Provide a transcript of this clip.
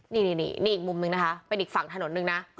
นี่อีกมุมนึงนะคะเป็นอีกฝั่งถนนหนึ่งนะ